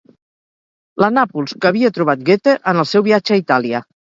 La Nàpols que havia trobat Goethe en el seu viatge a Itàlia...